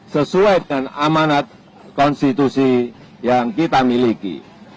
sesuai dengan amanat konstitusi yang kita miliki